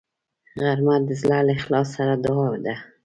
غرمه د زړه له اخلاص سره دعا ده